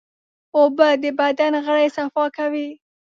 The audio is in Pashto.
اوبه د بدن غړي صفا کوي.